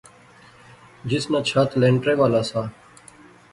جس ناں چھت لینٹرے والا سا